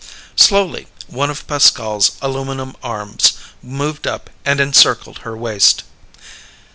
Slowly, one of Pascal's aluminum arms moved up and encircled her waist.